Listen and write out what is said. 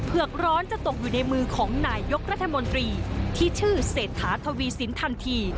กร้อนจะตกอยู่ในมือของนายยกรัฐมนตรีที่ชื่อเศรษฐาทวีสินทันที